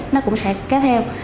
nó cũng sẽ kế theo